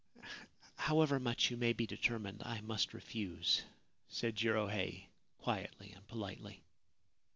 ' However much you may be determined, I must refuse/ said Jirohei, quietly and politely.